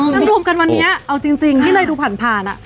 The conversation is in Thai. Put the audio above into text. ถ้ารวมกันวันนี้เอาจริงพี่เนยดูผ่าน